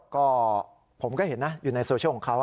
ก็ผมก็เห็นนะอยู่ในโซเชียลของเขา